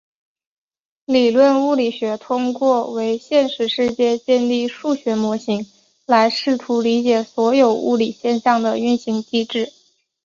理论物理学通过为现实世界建立数学模型来试图理解所有物理现象的运行机制。